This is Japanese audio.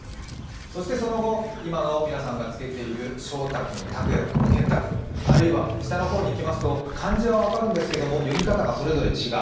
そしてその後、今の皆さんがつけている翔太くん、拓也くん、健太くんあるいは下の方にいきますと、漢字は分かるんですが読み方が違う、